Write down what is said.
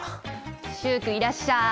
習君いらっしゃい！